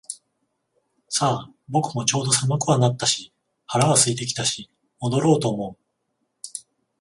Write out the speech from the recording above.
さあ、僕もちょうど寒くはなったし腹は空いてきたし戻ろうと思う